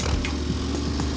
terima kasih chandra